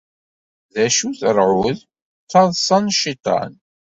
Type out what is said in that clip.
D acu-t ṛṛɛud? D taḍṣa n Cciṭan.